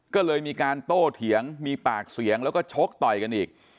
ก็เลยมีการโต้เถียงมีปากเสียงแล้วก็ชกต่อยกันอีก